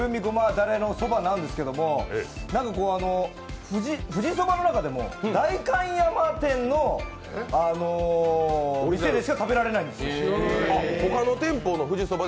だれのそばなんですけど富士そばの中でも代官山店の店でしか食べられないんです。